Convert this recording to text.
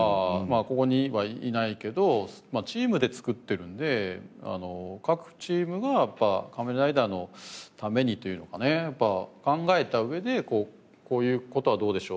ここにはいないけどチームでつくっているので各チームがやっぱ『仮面ライダー』のためにというのかね考えた上でこういう事はどうでしょう？